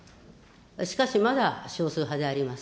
しかしまだ少数派であります。